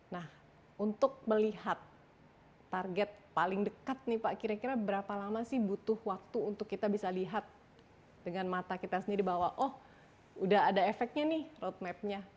nah untuk melihat target paling dekat nih pak kira kira berapa lama sih butuh waktu untuk kita bisa lihat dengan mata kita sendiri bahwa oh udah ada efeknya nih roadmapnya